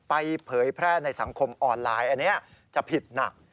เผยแพร่ในสังคมออนไลน์อันนี้จะผิดหนัก